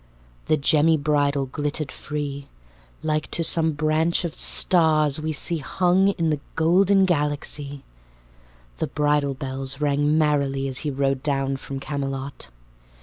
The gemmy bridle glittered free, Like to some branch of stars we see Hung in the golden galaxy. The bridle bells rang merrily, As he rode down from Camelot.